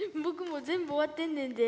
もう全部終わってんねんで。